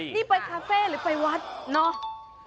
นี่ไปคาเฟ่หรือไปวัดเนาะ